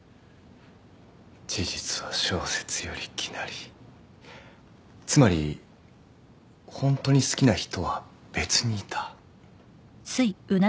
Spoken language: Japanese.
事実は小説より奇なりつまり本当に好きな人は別にいた？